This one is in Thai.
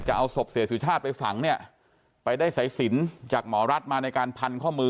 จะเอาศพเสียสุชาติไปฝังเนี่ยไปได้สายสินจากหมอรัฐมาในการพันข้อมือ